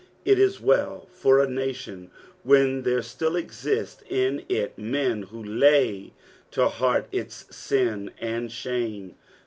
It is well for a nation when there still eiist in it men who lay to heart its sin and shame.